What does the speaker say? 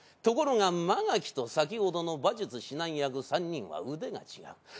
ところが曲垣と先ほどの馬術指南役３人は腕が違う。